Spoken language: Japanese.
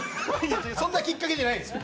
そんなきっかけじゃないです。